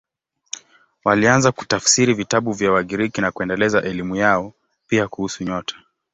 Walianza kutafsiri vitabu vya Wagiriki na kuendeleza elimu yao, pia kuhusu nyota.